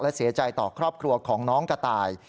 และเสียใจต่อครอบครัวของน้องกระต่าย